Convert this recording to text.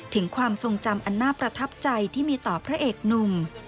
ถึงความทรงจำอันน่าประทับใจที่มีต่อพระเอกหนุ่ม